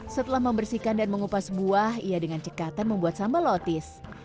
setelah membersihkan dan mengupas buah ia dengan cekatan membuat sambal lotis